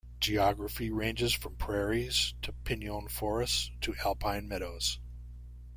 Geography ranges from prairies, to pinon forests, to alpine meadows.